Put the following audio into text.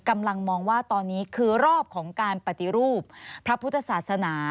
กำลังมองว่าตอนนี้คือรอบของการปฏิรูปพระพุทธศาสนา